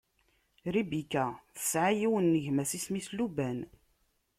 Ribika tesɛa yiwen n gma-s isem-is Laban.